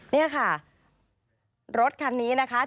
นี่ค่ะรถคันนี้นะคะ